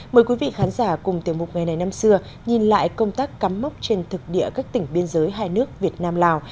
mời quý vị khán giả cùng tiểu mục ngày này năm xưa nhìn lại công tác cắm mốc trên thực địa các tỉnh biên giới hai nước việt nam lào